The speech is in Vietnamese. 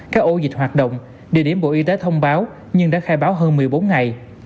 các ổ dịch hoạt động địa điểm bộ y tế thông báo nhưng đã khai báo hơn một mươi bốn ngày